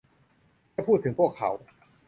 แค่พูดถึงพวกเขา